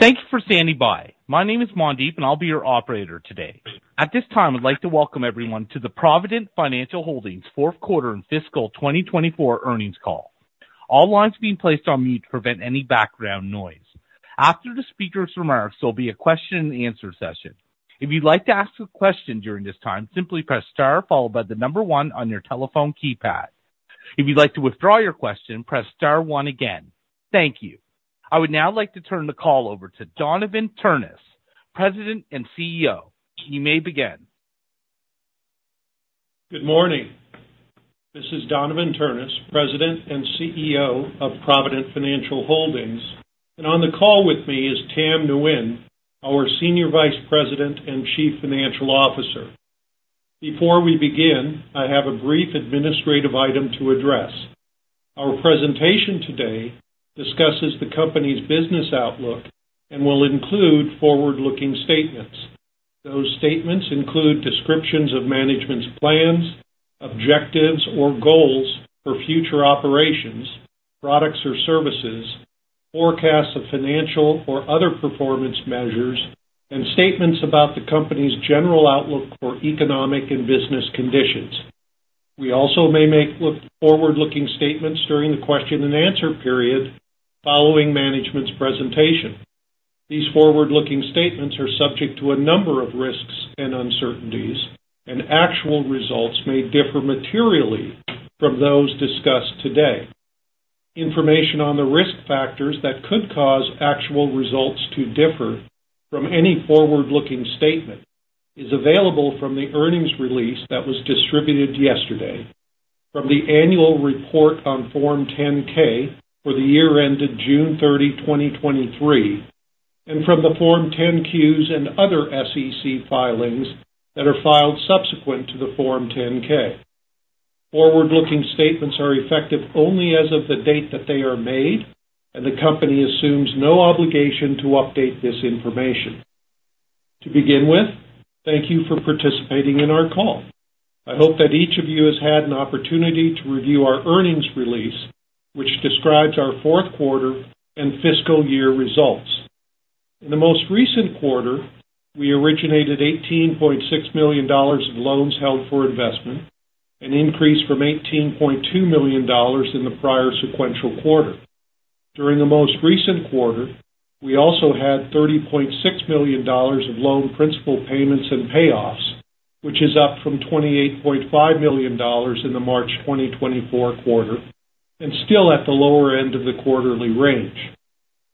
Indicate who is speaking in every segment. Speaker 1: Thank you for standing by. My name is Mandeep, and I'll be your operator today. At this time, I'd like to welcome everyone to the Provident Financial Holdings Fourth Quarter and Fiscal 2024 Earnings Call. All lines being placed on mute to prevent any background noise. After the speaker's remarks, there'll be a question-and-answer session. If you'd like to ask a question during this time, simply press star followed by the number one on your telephone keypad. If you'd like to withdraw your question, press star one again. Thank you. I would now like to turn the call over to Donavon Ternes, President and CEO. You may begin.
Speaker 2: Good morning. This is Donavon Ternes, President and CEO of Provident Financial Holdings. On the call with me is Tam Nguyen, our Senior Vice President and Chief Financial Officer. Before we begin, I have a brief administrative item to address. Our presentation today discusses the company's business outlook and will include forward-looking statements. Those statements include descriptions of management's plans, objectives or goals for future operations, products or services, forecasts of financial or other performance measures, and statements about the company's general outlook for economic and business conditions. We also may make forward-looking statements during the question-and-answer period following management's presentation. These forward-looking statements are subject to a number of risks and uncertainties, and actual results may differ materially from those discussed today. Information on the risk factors that could cause actual results to differ from any forward-looking statement is available from the earnings release that was distributed yesterday, from the annual report on Form 10-K for the year ended June 30, 2023, and from the Form 10-Qs and other SEC filings that are filed subsequent to the Form 10-K. Forward-looking statements are effective only as of the date that they are made, and the company assumes no obligation to update this information. To begin with, thank you for participating in our call. I hope that each of you has had an opportunity to review our earnings release, which describes our fourth quarter and fiscal year results. In the most recent quarter, we originated $18.6 million in loans held for investment, an increase from $18.2 million in the prior sequential quarter. During the most recent quarter, we also had $30.6 million of loan principal payments and payoffs, which is up from $28.5 million in the March 2024 quarter and still at the lower end of the quarterly range.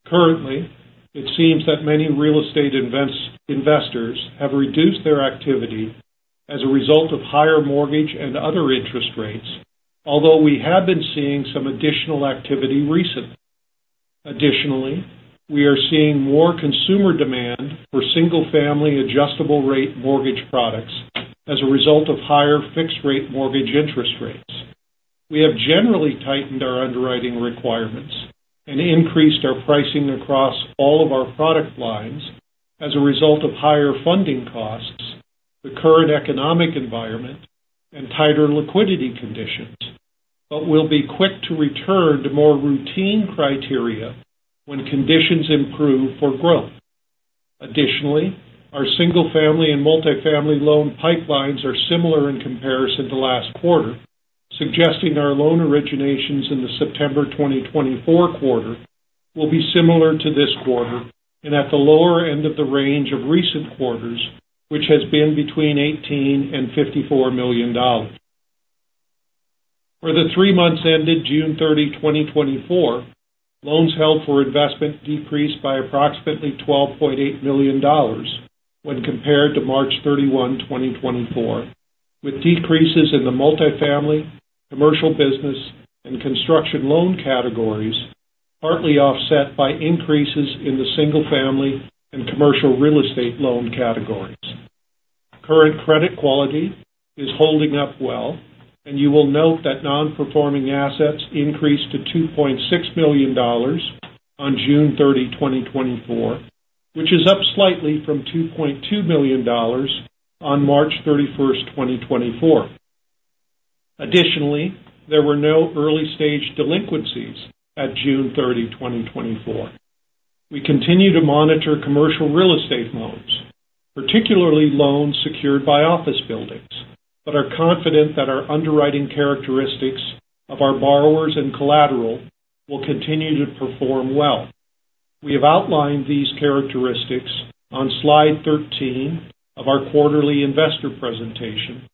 Speaker 2: Currently, it seems that many real estate investors have reduced their activity as a result of higher mortgage and other interest rates, although we have been seeing some additional activity recently. Additionally, we are seeing more consumer demand for single-family adjustable-rate mortgage products as a result of higher fixed-rate mortgage interest rates. We have generally tightened our underwriting requirements and increased our pricing across all of our product lines as a result of higher funding costs, the current economic environment, and tighter liquidity conditions, but we'll be quick to return to more routine criteria when conditions improve for growth. Additionally, our single-family and multifamily loan pipelines are similar in comparison to last quarter, suggesting our loan originations in the September 2024 quarter will be similar to this quarter and at the lower end of the range of recent quarters, which has been between $18 million-$54 million. For the three months ended June 30, 2024, loans held for investment decreased by approximately $12.8 million when compared to March 31, 2024, with decreases in the multifamily, commercial business, and construction loan categories, partly offset by increases in the single-family and commercial real estate loan categories. Current credit quality is holding up well, and you will note that nonperforming assets increased to $2.6 million on June 30, 2024, which is up slightly from $2.2 million on March 31, 2024. Additionally, there were no early-stage delinquencies at June 30, 2024. We continue to monitor commercial real estate loans, particularly loans secured by office buildings, but are confident that our underwriting characteristics of our borrowers and collateral will continue to perform well. We have outlined these characteristics on slide 13 of our quarterly investor presentation,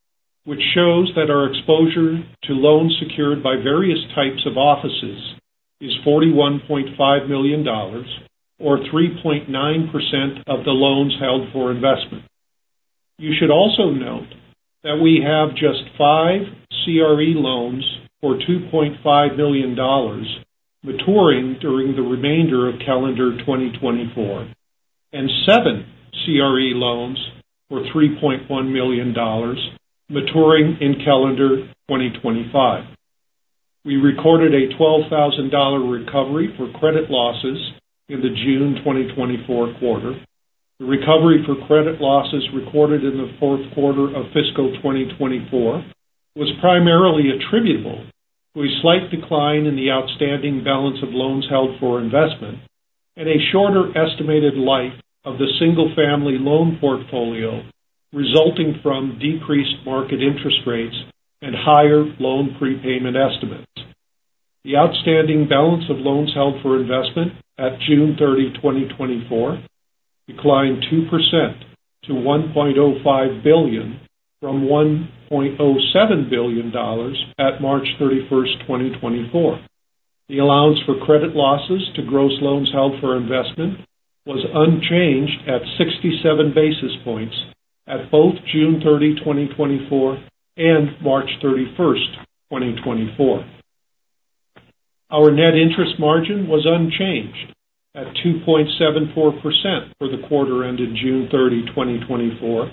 Speaker 2: which shows that our exposure to loans secured by various types of offices is $41.5 million or 3.9% of the loans held for investment. You should also note that we have just five CRE loans for $2.5 million maturing during the remainder of calendar 2024, and seven CRE loans for $3.1 million maturing in calendar 2025. We recorded a $12,000 recovery for credit losses in the June 2024 quarter. The recovery for credit losses recorded in the fourth quarter of fiscal 2024 was primarily attributable to a slight decline in the outstanding balance of loans held for investment and a shorter estimated life of the single-family loan portfolio, resulting from decreased market interest rates and higher loan prepayment estimates. The outstanding balance of loans held for investment at June 30, 2024, declined 2% to $1.05 billion from $1.07 billion at March 31, 2024. The allowance for credit losses to gross loans held for investment was unchanged at 67 basis points at both June 30, 2024, and March 31, 2024. Our net interest margin was unchanged at 2.74% for the quarter ended June 30, 2024,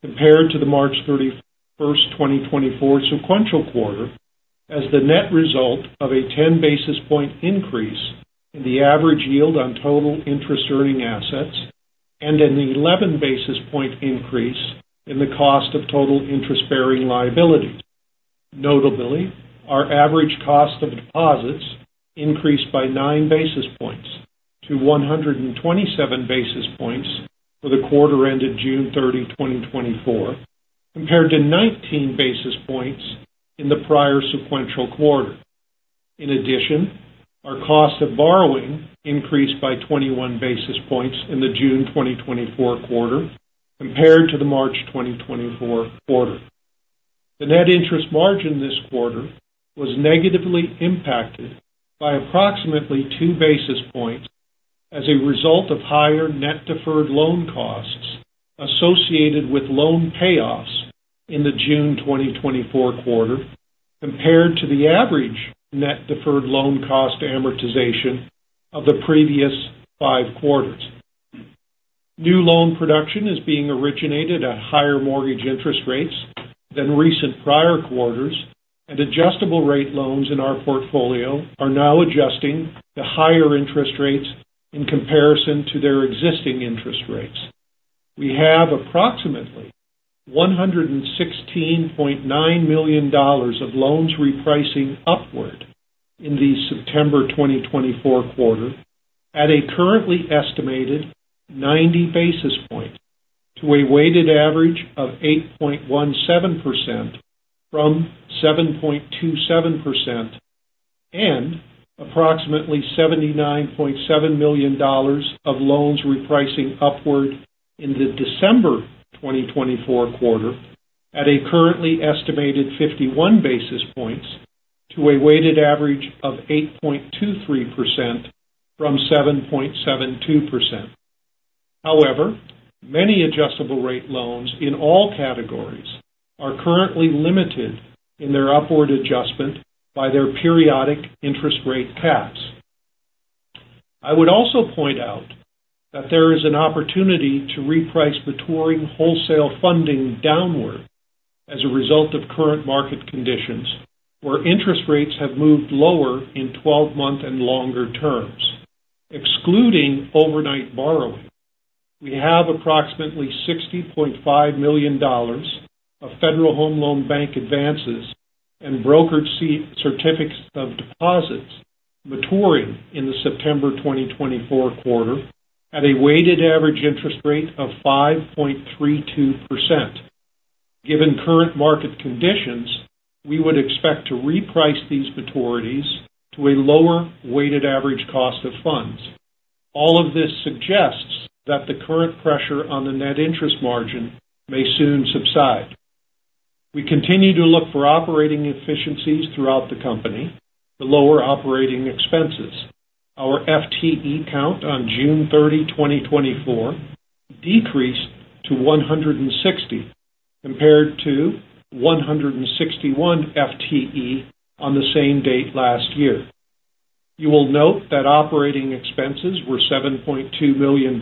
Speaker 2: compared to the March 31, 2024 sequential quarter, as the net result of a 10 basis point increase in the average yield on total interest earning assets and an 11 basis point increase in the cost of total interest-bearing liabilities. Notably, our average cost of deposits increased by 9 basis points to 127 basis points for the quarter ended June 30, 2024, compared to 19 basis points in the prior sequential quarter. In addition, our cost of borrowing increased by 21 basis points in the June 2024 quarter compared to the March 2024 quarter. The net interest margin this quarter was negatively impacted by approximately 2 basis points as a result of higher net deferred loan costs associated with loan payoffs in the June 2024 quarter compared to the average net deferred loan cost amortization of the previous five quarters. New loan production is being originated at higher mortgage interest rates than recent prior quarters, and adjustable rate loans in our portfolio are now adjusting to higher interest rates in comparison to their existing interest rates. We have approximately $116.9 million of loans repricing upward in the September 2024 quarter at a currently estimated 90 basis points to a weighted average of 8.17% from 7.27%, and approximately $79.7 million of loans repricing upward in the December 2024 quarter at a currently estimated 51 basis points to a weighted average of 8.23% from 7.72%. However, many adjustable rate loans in all categories are currently limited in their upward adjustment by their periodic interest rate caps. I would also point out that there is an opportunity to reprice maturing wholesale funding downward as a result of current market conditions, where interest rates have moved lower in twelve-month and longer terms. Excluding overnight borrowing, we have approximately $60.5 million of Federal Home Loan Bank advances and brokered certificates of deposit maturing in the September 2024 quarter at a weighted average interest rate of 5.32%. Given current market conditions, we would expect to reprice these maturities to a lower weighted average cost of funds. All of this suggests that the current pressure on the net interest margin may soon subside. We continue to look for operating efficiencies throughout the company to lower operating expenses. Our FTE count on June 30, 2024, decreased to 160, compared to 161 FTE on the same date last year. You will note that operating expenses were $7.2 million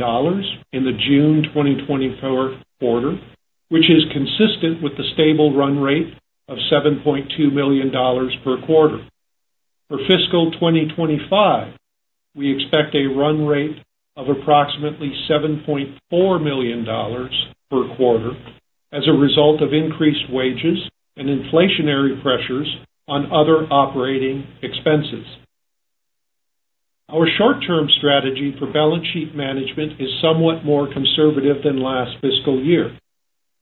Speaker 2: in the June 2024 quarter, which is consistent with the stable run rate of $7.2 million per quarter. For fiscal 2025, we expect a run rate of approximately $7.4 million per quarter as a result of increased wages and inflationary pressures on other operating expenses. Our short-term strategy for balance sheet management is somewhat more conservative than last fiscal year.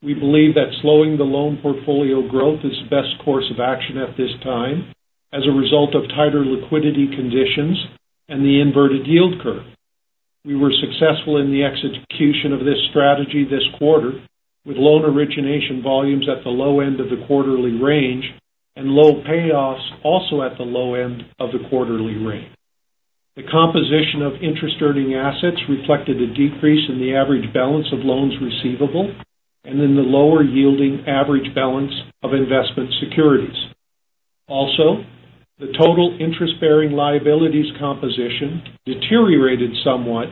Speaker 2: We believe that slowing the loan portfolio growth is the best course of action at this time as a result of tighter liquidity conditions and the inverted yield curve. We were successful in the execution of this strategy this quarter, with loan origination volumes at the low end of the quarterly range and loan payoffs also at the low end of the quarterly range. The composition of interest earning assets reflected a decrease in the average balance of loans receivable and in the lower yielding average balance of investment securities. Also, the total interest-bearing liabilities composition deteriorated somewhat,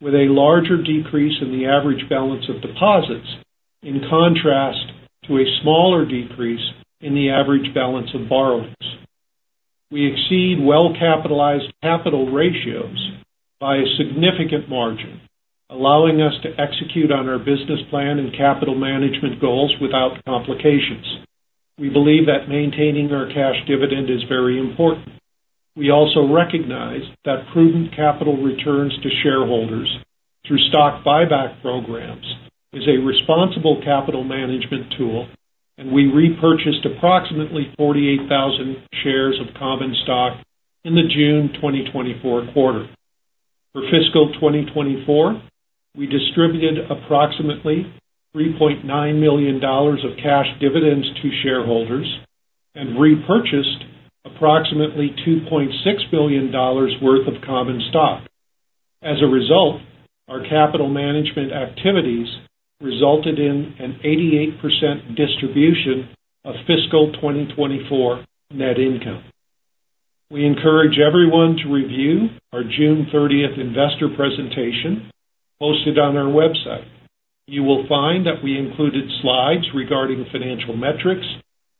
Speaker 2: with a larger decrease in the average balance of deposits, in contrast to a smaller decrease in the average balance of borrowings. We exceed well-capitalized capital ratios by a significant margin, allowing us to execute on our business plan and capital management goals without complications. We believe that maintaining our cash dividend is very important. We also recognize that prudent capital returns to shareholders through stock buyback programs is a responsible capital management tool, and we repurchased approximately 48,000 shares of common stock in the June 2024 quarter. For fiscal 2024, we distributed approximately $3.9 million of cash dividends to shareholders and repurchased approximately $2.6 million worth of common stock. As a result, our capital management activities resulted in an 88% distribution of fiscal 2024 net income. We encourage everyone to review our June 30 Investor Presentation posted on our website. You will find that we included slides regarding financial metrics,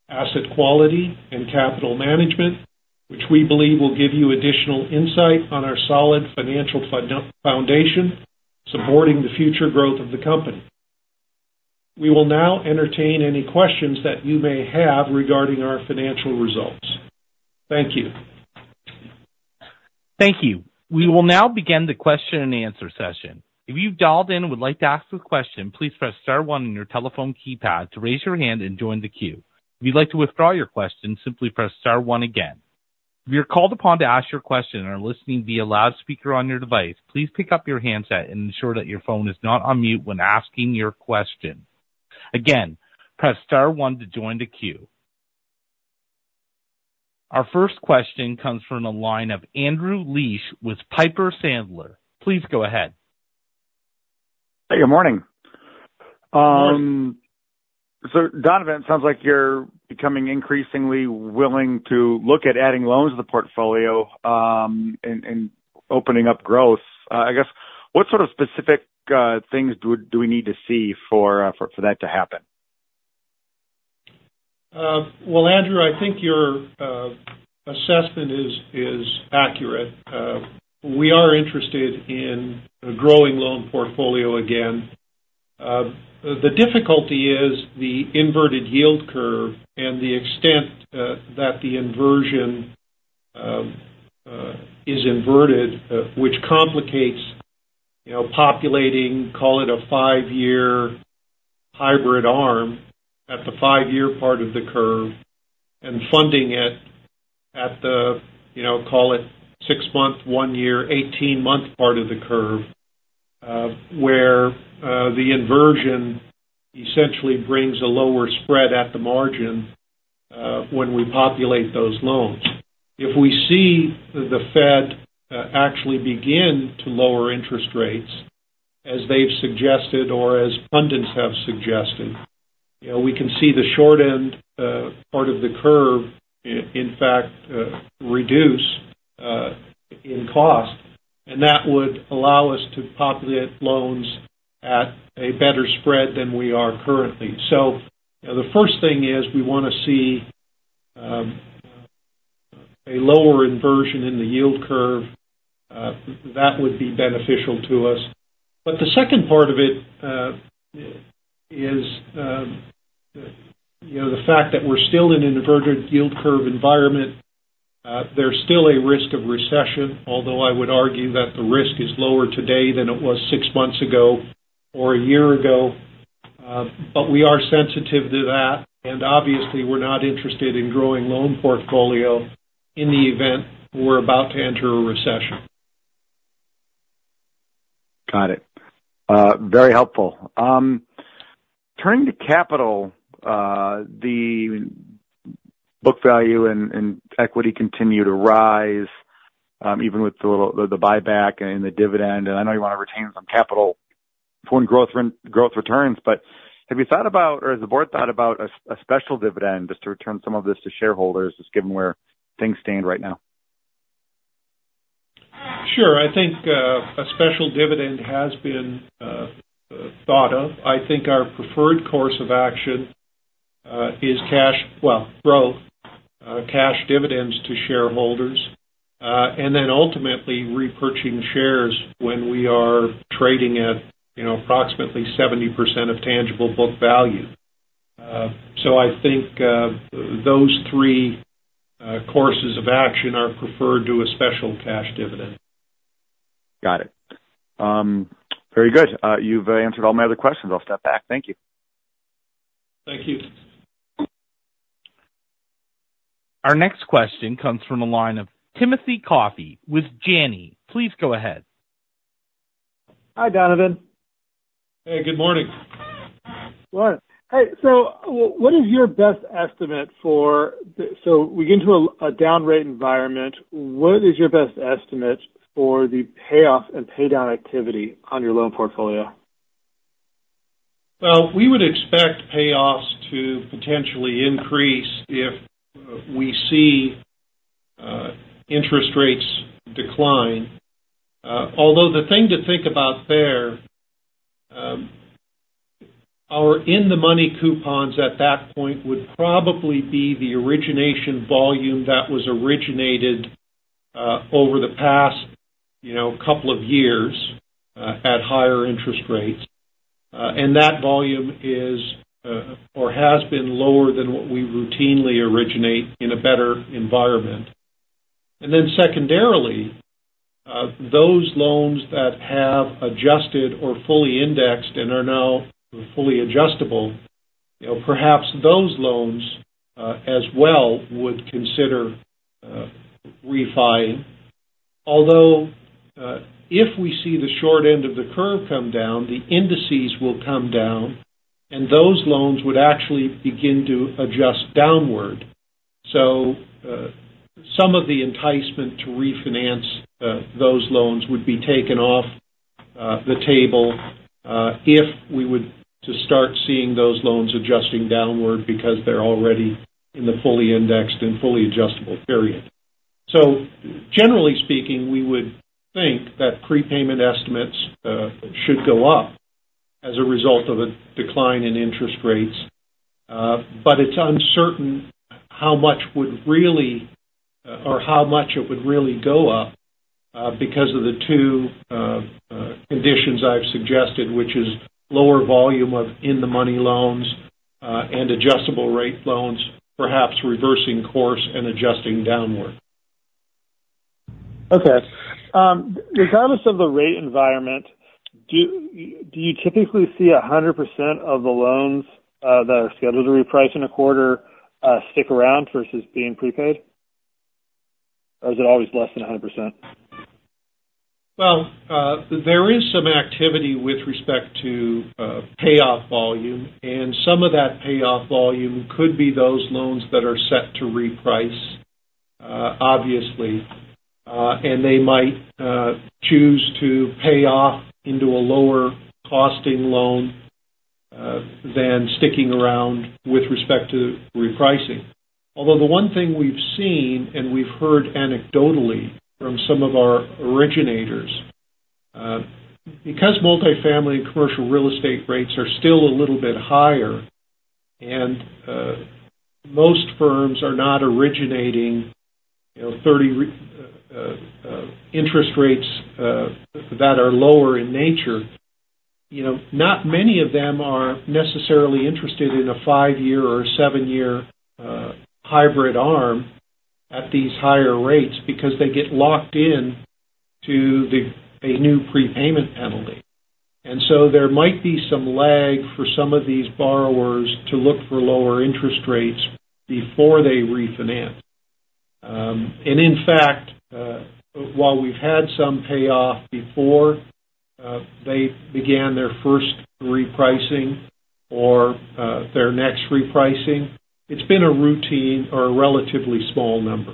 Speaker 2: asset quality, and capital management, which we believe will give you additional insight on our solid financial foundation, supporting the future growth of the company. We will now entertain any questions that you may have regarding our financial results. Thank you.
Speaker 1: Thank you. We will now begin the question-and-answer session. If you've dialed in and would like to ask a question, please press star one on your telephone keypad to raise your hand and join the queue. If you'd like to withdraw your question, simply press star one again. If you're called upon to ask your question and are listening via loudspeaker on your device, please pick up your handset and ensure that your phone is not on mute when asking your question. Again, press star one to join the queue. Our first question comes from the line of Andrew Liesch with Piper Sandler. Please go ahead.
Speaker 3: Hey, good morning. So Donavon, sounds like you're becoming increasingly willing to look at adding loans to the portfolio, and opening up growth. I guess, what sort of specific things do we need to see for that to happen?
Speaker 2: Well, Andrew, I think your assessment is accurate. We are interested in a growing loan portfolio again. The difficulty is the inverted yield curve and the extent that the inversion is inverted, which complicates, you know, populating, call it, a five-year hybrid ARM at the five-year part of the curve and funding it at the, you know, call it six-month, one year, 18-month part of the curve, where the inversion essentially brings a lower spread at the margin, when we populate those loans. If we see the Fed actually begin to lower interest rates, as they've suggested or as pundits have suggested, you know, we can see the short end part of the curve, in fact, reduce in cost, and that would allow us to populate loans at a better spread than we are currently. So the first thing is we wanna see a lower inversion in the yield curve. That would be beneficial to us. But the second part of it is, you know, the fact that we're still in an inverted yield curve environment, there's still a risk of recession, although I would argue that the risk is lower today than it was six months ago or a year ago. But we are sensitive to that, and obviously, we're not interested in growing loan portfolio in the event we're about to enter a recession.
Speaker 3: Got it. Very helpful. Turning to capital, the book value and equity continue to rise, even with the buyback and the dividend. And I know you want to retain some capital for growth returns, but have you thought about or has the board thought about a special dividend just to return some of this to shareholders, just given where things stand right now?
Speaker 2: Sure. I think a special dividend has been thought of. I think our preferred course of action is cash... Well, growth, cash dividends to shareholders, and then ultimately repurchasing shares when we are trading at, you know, approximately 70% of tangible book value. So I think those three courses of action are preferred to a special cash dividend.
Speaker 3: Got it. Very good. You've answered all my other questions. I'll step back. Thank you.
Speaker 2: Thank you.
Speaker 1: Our next question comes from the line of Timothy Coffey with Janney. Please go ahead.
Speaker 4: Hi, Donavon.
Speaker 2: Hey, good morning.
Speaker 4: Well, hey, so we get into a down rate environment. What is your best estimate for the payoff and paydown activity on your loan portfolio?
Speaker 2: Well, we would expect payoffs to potentially increase if we see interest rates decline. Although the thing to think about there, our in-the-money coupons at that point would probably be the origination volume that was originated over the past, you know, couple of years at higher interest rates. And that volume is, or has been lower than what we routinely originate in a better environment. And then secondarily, those loans that have adjusted or fully indexed and are now fully adjustable, you know, perhaps those loans, as well, would consider refi. Although, if we see the short end of the curve come down, the indices will come down, and those loans would actually begin to adjust downward. So, some of the enticement to refinance those loans would be taken off the table if we were to start seeing those loans adjusting downward because they're already in the fully indexed and fully adjustable period. So generally speaking, we would think that prepayment estimates should go up as a result of a decline in interest rates. But it's uncertain how much would really or how much it would really go up because of the two conditions I've suggested, which is lower volume of in-the-money loans and adjustable rate loans, perhaps reversing course and adjusting downward.
Speaker 4: Okay. Regardless of the rate environment, do you typically see 100% of the loans that are scheduled to reprice in a quarter stick around versus being prepaid? Or is it always less than 100%?
Speaker 2: Well, there is some activity with respect to payoff volume, and some of that payoff volume could be those loans that are set to reprice, obviously. And they might choose to pay off into a lower costing loan than sticking around with respect to repricing. Although, the one thing we've seen, and we've heard anecdotally from some of our originators, because multifamily and commercial real estate rates are still a little bit higher and most firms are not originating, you know, 30-year interest rates that are lower in nature, you know, not many of them are necessarily interested in a five-year or seven-year hybrid ARM at these higher rates because they get locked in to the, a new prepayment penalty. And so there might be some lag for some of these borrowers to look for lower interest rates before they refinance. And in fact, while we've had some payoff before they began their first repricing or their next repricing, it's been a routine or a relatively small number.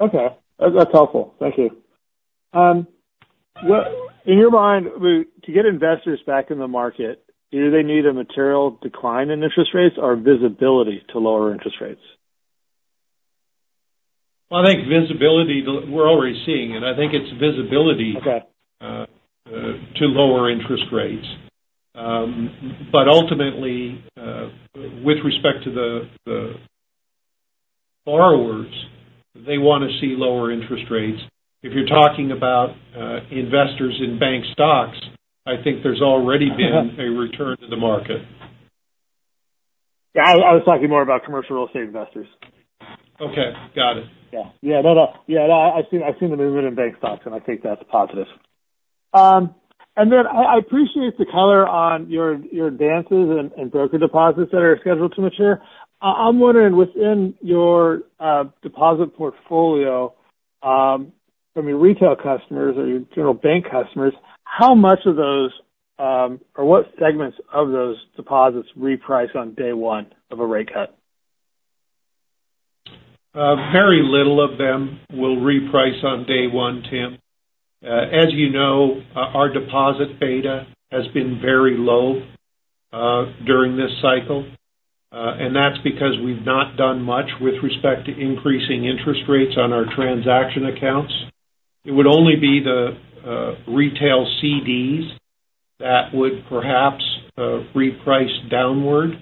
Speaker 4: Okay. That's, that's helpful. Thank you. What in your mind, to get investors back in the market, do they need a material decline in interest rates or visibility to lower interest rates?
Speaker 2: Well, I think visibility, we're already seeing it. I think it's visibility-
Speaker 4: Okay.
Speaker 2: to lower interest rates. But ultimately, with respect to the borrowers, they want to see lower interest rates. If you're talking about investors in bank stocks, I think there's already been-
Speaker 4: Okay.
Speaker 2: -a return to the market.
Speaker 4: Yeah, I was talking more about commercial real estate investors.
Speaker 2: Okay, got it.
Speaker 4: Yeah. Yeah, no, no. Yeah, I've seen, I've seen the movement in bank stocks, and I think that's positive. And then I appreciate the color on your advances and broker deposits that are scheduled to mature. I'm wondering within your deposit portfolio, from your retail customers or your general bank customers, how much of those or what segments of those deposits reprice on day one of a rate cut?
Speaker 2: Very little of them will reprice on day one, Tim. As you know, our, our deposit beta has been very low during this cycle. And that's because we've not done much with respect to increasing interest rates on our transaction accounts. It would only be the retail CDs that would perhaps reprice downward,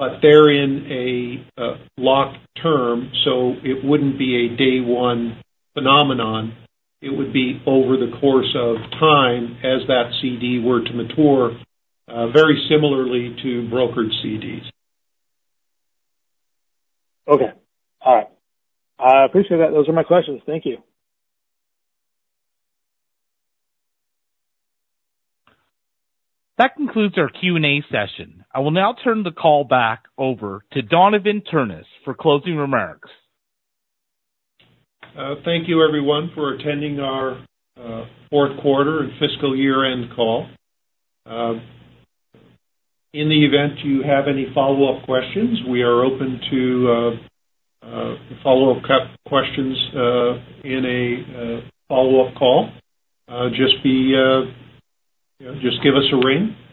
Speaker 2: but they're in a locked term, so it wouldn't be a day one phenomenon. It would be over the course of time as that CD were to mature very similarly to brokered CDs.
Speaker 4: Okay. All right. I appreciate that. Those are my questions. Thank you.
Speaker 1: That concludes our Q&A session. I will now turn the call back over to Donavon Ternes for closing remarks.
Speaker 2: Thank you, everyone, for attending our fourth quarter and fiscal year-end call. In the event you have any follow-up questions, we are open to follow-up questions in a follow-up call. Just give us a ring.